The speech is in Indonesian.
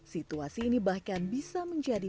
situasi ini bahkan bisa menjadi